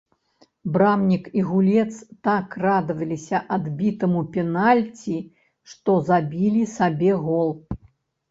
Брамнік і гулец так радаваліся адбітаму пенальці, што забілі сабе гол.